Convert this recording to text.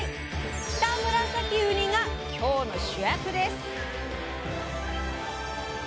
「キタムラサキウニ」が今日の主役です！